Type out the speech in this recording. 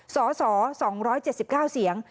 สส๒๗๙เสียง